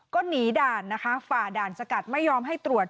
ก็หนีด่านนะคะฝ่าด่านสกัดไม่ยอมให้ตรวจ